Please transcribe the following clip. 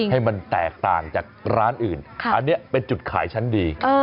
ให้มันแตกต่างจากร้านอื่นอันนี้เป็นจุดขายชั้นดี